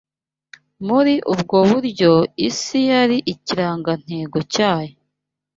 Muri ubwo buryo, isi yari ikirangantego nyacyo